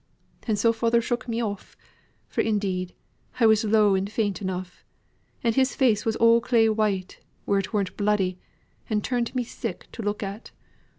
And so father shook me off, for indeed I was low and faint enough, and his face was all clay white, where it weren't bloody, and turned me sick to look at.